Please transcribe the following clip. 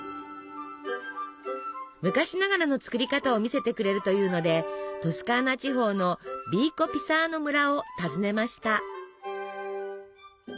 昔ながらの作り方を見せてくれるというのでトスカーナ地方のヴィーコピサーノ村を訪ねました。